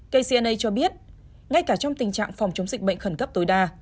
kcna cho biết ngay cả trong tình trạng phòng chống dịch bệnh khẩn cấp tối đa